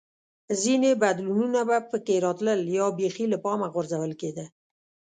ځیني بدلونونه به په کې راتلل یا بېخي له پامه غورځول کېده